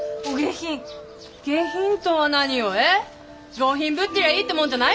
上品ぶってりゃいいってもんじゃないわよ！